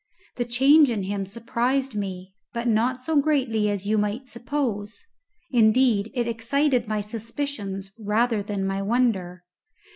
The change in him surprised me, but not so greatly as you might suppose; indeed, it excited my suspicions rather than my wonder.